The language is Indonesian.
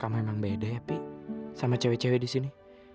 kamu emang beda ya pi sama cewe cewe di sini